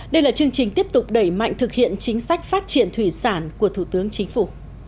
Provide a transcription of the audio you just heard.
đây là chương trình tiếp tục đẩy mạnh thực hiện chính sách phát triển thủy sản của thủ tướng chính phủ